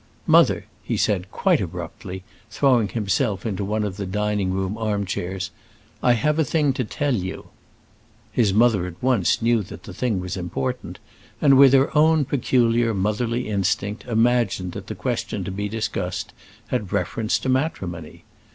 "Mother," he said, quite abruptly, throwing himself into one of the dining room arm chairs, "I have a thing to tell you." His mother at once knew that the thing was important, and with her own peculiar motherly instinct imagined that the question to be discussed had reference to matrimony.